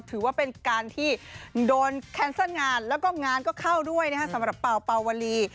ถือว่าเป็นการที่โดนแคนเซิลงานแล้วก็งานก็เข้าด้วยนะฮะสำหรับเปล่าเป่าวลี